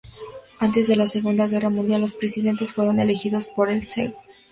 Antes de la Segunda Guerra Mundial, los presidentes fueron elegidos por el Sejm.